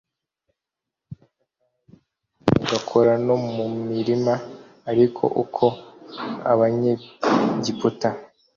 amatafari bagakora no mu mirima ariko uko abanyegiputa